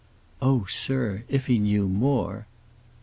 "Oh, sir, if he knew more!"